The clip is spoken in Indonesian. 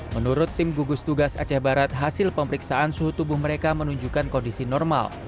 menurut tim gugus tugas aceh barat hasil pemeriksaan suhu tubuh mereka menunjukkan kondisi normal